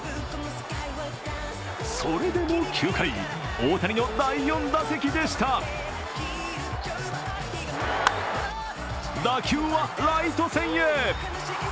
それでも９回、大谷の第４打席でした打球はライト線へ。